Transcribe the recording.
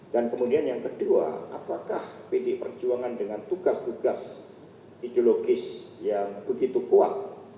dan kemudian yang kedua apakah pdp perjuangan dengan tugas tugas ideologis yang begitu kuat